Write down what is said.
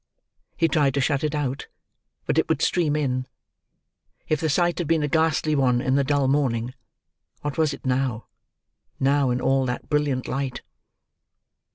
He tried to shut it out, but it would stream in. If the sight had been a ghastly one in the dull morning, what was it, now, in all that brilliant light!